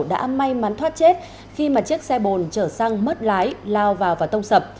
đã may mắn thoát chết khi mà chiếc xe bồn chở xăng mất lái lao vào và tông sập